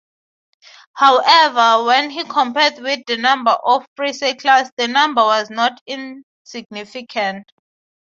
However, when compared with the number of free settlers, the number was not insignificant.